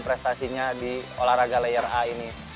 prestasinya di olahraga layer a ini